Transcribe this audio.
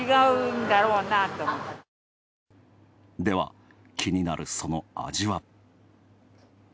では、気になるその味は。